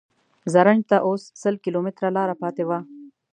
زرنج ته اوس سل کیلومتره لاره پاتې وه.